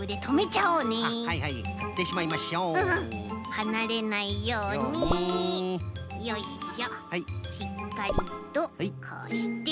はなれないようによいしょしっかりとこうして。